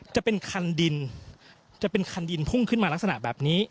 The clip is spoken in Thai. จะเป็นคันดินจะเป็นคันดินพุ่งขึ้นมาลักษณะแบบนี้